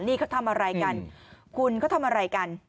นี่เขาทำอะไรกันคุณเขาทำอะไรกัน